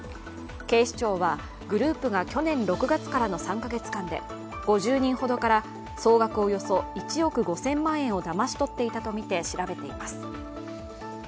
警視庁はグループが去年６月からの３カ月間で５０人ほどから総額およそ１億５０００万円をだまし取っていたとみて調べています。